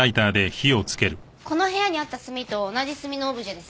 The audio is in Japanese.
この部屋にあった炭と同じ炭のオブジェです。